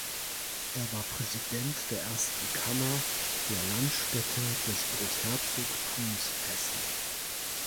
Er war Präsident der Ersten Kammer der Landstände des Großherzogtums Hessen.